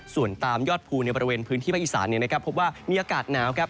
ส่วนตามยอดภูในบริเวณพื้นที่ภาคอีสานพบว่ามีอากาศหนาวครับ